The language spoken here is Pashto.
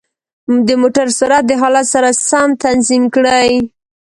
د موټرو سرعت د حالت سره سم تنظیم کړئ.